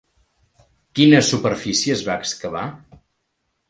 Quina superfície es va excavar?